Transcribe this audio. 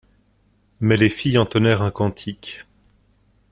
Mais les filles entonnèrent un cantique.